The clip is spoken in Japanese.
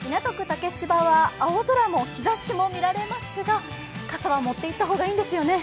竹芝は青空も日ざしも見られますが、傘は持っていった方がいいんですよね？